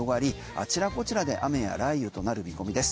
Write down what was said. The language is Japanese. あちらこちらで雨や雷雨となる見込みです。